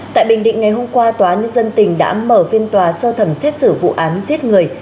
tại bình định ngày hôm qua tòa nhân dân tỉnh đã mở phiên tòa sơ thẩm xét xử vụ án giết người